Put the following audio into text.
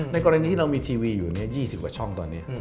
กรณีที่เรามีทีวีอยู่๒๐กว่าช่องตอนนี้